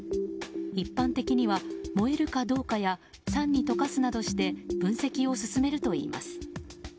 一般的には燃えるかどうかや酸に溶かすなどして分析を進めるといいます。